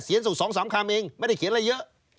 เสียงสู่สองสามคำเองไม่ได้เขียนอะไรเยอะ